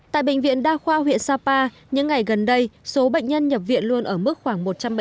tại bệnh viện đa khoa huyện sapa những ngày gần đây số bệnh nhân nhập viện luôn ở mức khoảng một trăm linh bệnh nhân một ngày